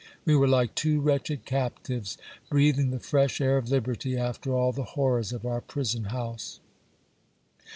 We were like two wretched captives, breath ing the fresh air of liberty after all the horrors of our prison house.